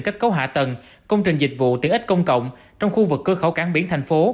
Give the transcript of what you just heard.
kết cấu hạ tầng công trình dịch vụ tiện ích công cộng trong khu vực cơ khẩu cảng biển thành phố